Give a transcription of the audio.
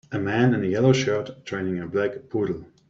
a man in a yellow shirt training a black poodle